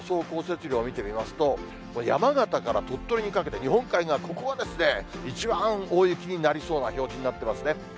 降雪量を見てみますと、山形から鳥取にかけて、日本海側、ここは一番大雪になりそうな表示になってますね。